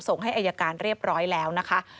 ส่งให้อายการเรียบร้อยแล้วนะคะ